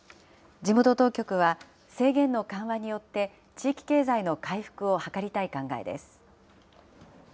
地元当局は、制限の緩和によって地域経済の回復を図りたい考えです。